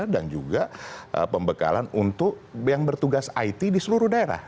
dan juga pembekalan untuk yang bertugas it di seluruh daerah